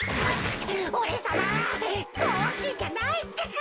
おれさまはぞうきんじゃないってか。